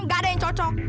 gak ada yang cocok